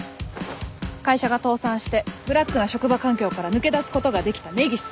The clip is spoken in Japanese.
会社が倒産してブラックな職場環境から抜け出す事ができた根岸さん。